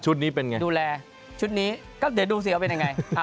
นี้เป็นไงดูแลชุดนี้ก็เดี๋ยวดูสิว่าเป็นยังไง